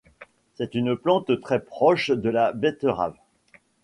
C'est une plante très proche de la betterave.